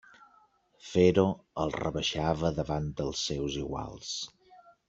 Fer-ho el rebaixava davant dels seus iguals.